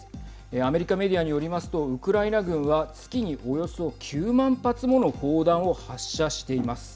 アメリカメディアによりますとウクライナ軍は月におよそ９万発もの砲弾を発射しています。